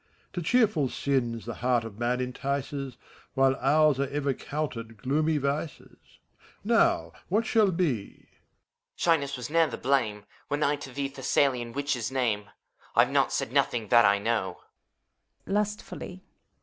To cheerful sins the heart of man entices; While ours are ever counted gloomy vices. Now, what shall be? HOMUNCULUS. Shyness was ne'er thy blame. When I to thee Thessalian witches name, I've not said nothing, that I know.